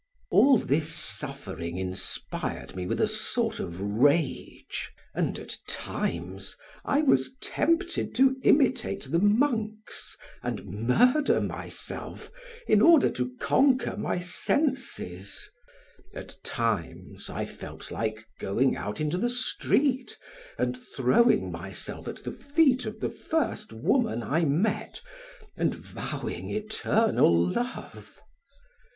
All this suffering inspired me with a sort of rage, and at times I was tempted to imitate the monks and murder myself in order to conquer my senses; at times I felt like going out into the street and throwing myself at the feet of the first woman I met and vowing eternal love.